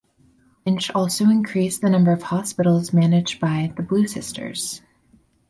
Lynch also increased the number of hospitals managed by the "Blue Sisters".